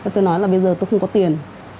tôi nói là bây giờ tôi không có tiền